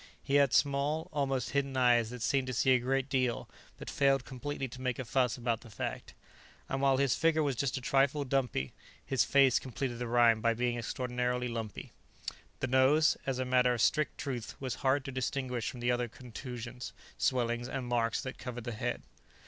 He had small, almost hidden eyes that seemed to see a great deal, but failed completely to make a fuss about the fact. And while his figure was just a trifle dumpy, his face completed the rhyme by being extraordinarily lumpy. The nose, as a matter of strict truth, was hard to distinguish from the other contusions, swellings and marks that covered the head.